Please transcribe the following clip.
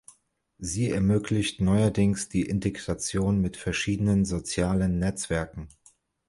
Sie ermöglicht neuerdings die Integration mit verschiedenen Sozialen Netzwerken.